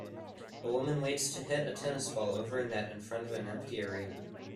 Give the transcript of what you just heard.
A woman waits to hit a tennis ball over a net in front of an empty arena.